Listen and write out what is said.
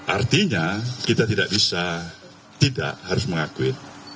artinya kita tidak bisa tidak harus mengakui